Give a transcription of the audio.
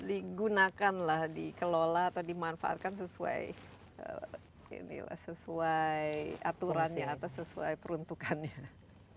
digunakanlah dikelola atau dimanfaatkan sesuai aturannya atau sesuai peruntukannya